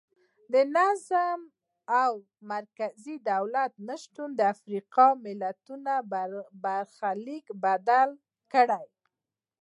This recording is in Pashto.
د نظم او مرکزي دولت نشتون د افریقایي ملتونو برخلیک بدل کړ.